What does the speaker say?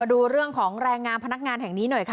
ดูเรื่องของแรงงานพนักงานแห่งนี้หน่อยค่ะ